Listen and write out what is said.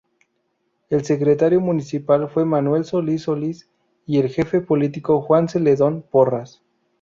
El secretario municipal fue Manuel Solís Solís y el jefe político Juan Zeledón Porras.